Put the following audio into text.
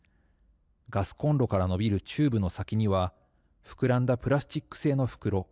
ガスコンロから伸びるチューブの先には膨らんだプラスチック製の袋。